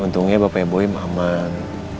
untungnya bapaknya boyin aman